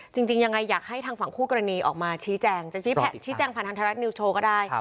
จริงยังไงอยากให้ทางฝั่งคู่กรณีออกมาชี้แจงจะชี้แจงผ่านทางไทยรัฐนิวสโชว์ก็ได้